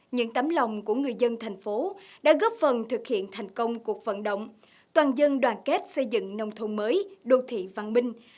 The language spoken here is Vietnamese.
những tấm lòng của người dân thành phố đã góp phần thực hiện thành công cuộc vận động toàn dân đoàn kết xây dựng nông thôn mới đô thị văn minh